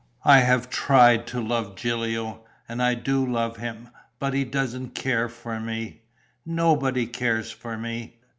I have tried to love Gilio and I do love him, but he doesn't care for me. Nobody cares for me."